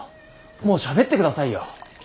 もうしゃべってくださいよ。